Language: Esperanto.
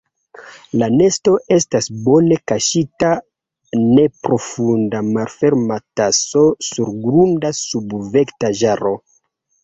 La nesto estas bone kaŝita neprofunda malferma taso surgrunda sub vegetaĵaro.